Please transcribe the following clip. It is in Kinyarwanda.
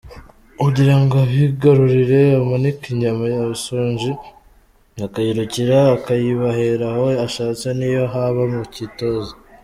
Kugirango abigarurire, amanika inyama abashonji bakayirukira akayibahera aho ashatse n’iyo haba mu kitoze.